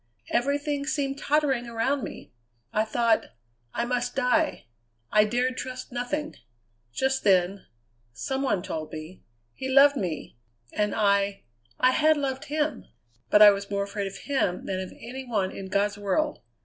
Everything seemed tottering around me. I thought I must die; I dared trust nothing. Just then some one told me he loved me; and I I had loved him. But I was more afraid of him than of any one in God's world.